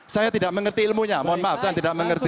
saya tidak mengerti ilmunya mohon maaf saya tidak mengerti